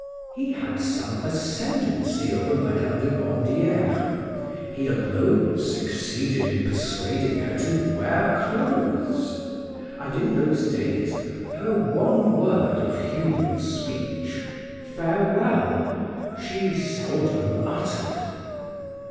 He had some ascendancy over Mme. de Vandieres. He alone succeeded in persuading her to wear clothes; and in those days her one word of human speech Farewell she seldom uttered.